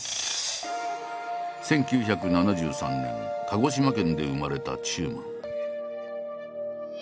１９７３年鹿児島県で生まれた中馬。